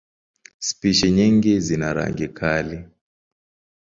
Spishi nyingi zina rangi kali.